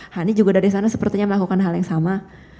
hani juga dari sana sepertinya melakukan hal yang sama